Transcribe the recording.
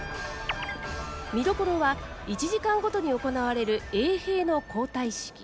見どころは１時間ごとに行われる衛兵の交代式。